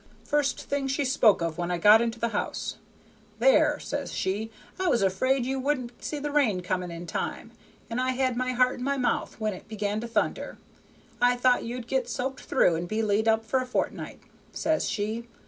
"First thing she spoke of when I got into the house. 'There,' says she, 'I was afraid you wouldn't see the rain coming in time, and I had my heart in my mouth when it began to thunder. I thought you'd get soaked through, and be laid up for a fortnight,' says she.